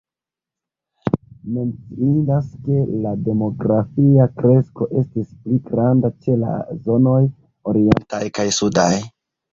Menciindas ke la demografia kresko estis pli granda ĉe la zonoj orientaj kaj sudaj.